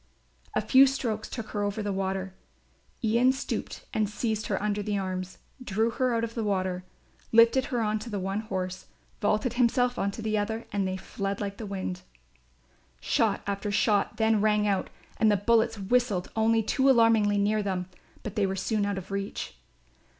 A few strokes took her over the water; Ian stooped and seized her under the arms, drew her out of the water, lifted her on to the one horse, vaulted himself on to the other and they fled like the wind. Shot after shot then rang out and the bullets whistled only too alarmingly near them, but they were soon out of reach.